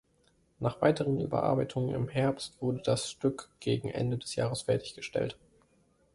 Nach weiteren Überarbeitungen im Herbst wurde das Stück gegen Ende des Jahres fertiggestellt.